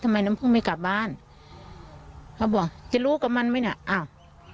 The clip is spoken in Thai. น้ำพึ่งไม่กลับบ้านเขาบอกจะรู้กับมันไหมน่ะอ้าว